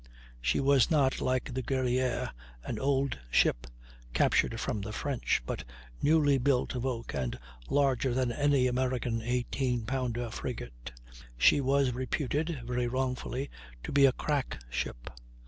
She was not, like the Guerrière, an old ship captured from the French, but newly built of oak and larger than any American 18 pounder frigate; she was reputed (very wrongfully) to be a "crack ship."